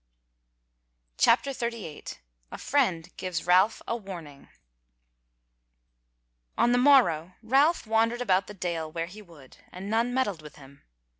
CHAPTER 38 A Friend Gives Ralph Warning On the morrow Ralph wandered about the Dale where he would, and none meddled with him.